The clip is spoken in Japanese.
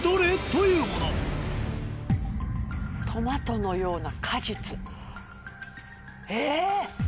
トマトのような果実？